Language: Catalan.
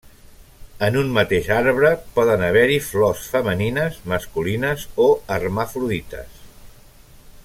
En un mateix arbre poden haver-hi flors femenines, masculines o hermafrodites.